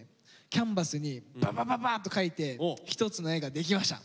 キャンバスにバババッと描いて一つの絵ができました！